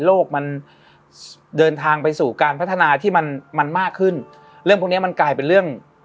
โลกมันเดินทางไปสู่การพัฒนาที่มันมันมากขึ้นเรื่องพวกเนี้ยมันกลายเป็นเรื่อง